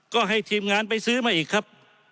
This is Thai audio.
ก็ให้ทีมงานไปซื้อมาอีกครับ